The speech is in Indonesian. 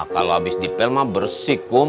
kalo habis dipel mah bersih kum